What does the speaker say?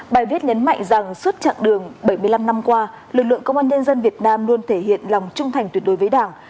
bài viết nhấn mạnh rằng suốt chặng đường bảy mươi năm năm qua lực lượng công an nhân dân việt nam luôn thể hiện lòng trung thành tuyệt đối với đảng